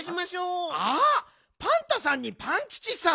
あパンタさんにパンキチさん。